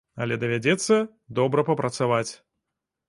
Але давядзецца добра папрацаваць.